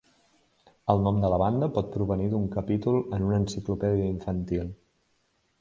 El nom de la banda pot provenir d'un capítol en una enciclopèdia infantil.